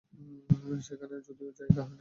আর সেখানেও যদি জায়গা না হয়?